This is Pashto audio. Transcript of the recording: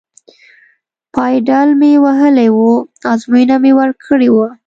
پایډل مې وهلی و، ازموینه مې ورکړې وه.